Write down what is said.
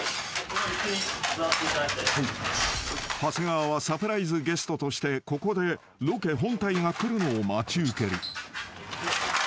［長谷川はサプライズゲストとしてここでロケ本体が来るのを待ち受ける］